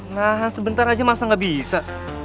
nah sebentar aja masa gak bisa